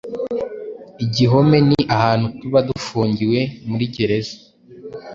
Igihome ni ahantu tuba dufungiwe (muri gereza)